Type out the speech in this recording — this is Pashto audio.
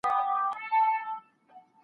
متقابل حقوق او نظم.